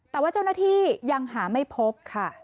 แต่ว่าเจ้าหน้าที่ยังหาไม่พบค่ะ